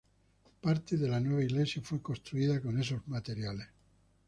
Parte de la nueva iglesia fue construida con esos materiales.